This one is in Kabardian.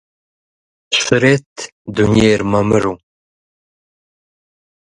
Щрет дунейр мамыру!